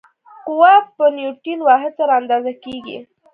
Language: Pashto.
قوه په نیوټن واحد سره اندازه کېږي.